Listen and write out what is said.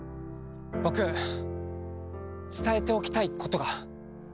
「僕伝えておきたいことが」